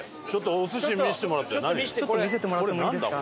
ちょっと見せてもらってもいいですか？